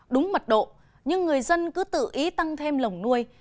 đúng mật độ nhưng người dân cứ tự ý tăng thêm lồng nuôi